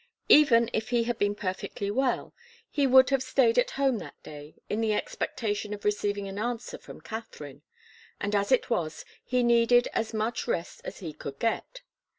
Even if he had been perfectly well, he would have stayed at home that day in the expectation of receiving an answer from Katharine; and as it was, he needed as much rest as he could get.